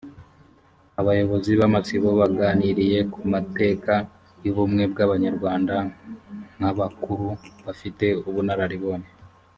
abayobozi b’amasibo baganiriye ku mateka y ubumwe bw abanyarwanda nk abakuru bafite ubunararibonye